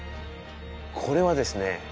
これはですね